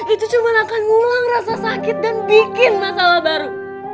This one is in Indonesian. itu cuma akan ngulang rasa sakit dan bikin masalah baru